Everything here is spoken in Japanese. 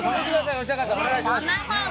お願いします。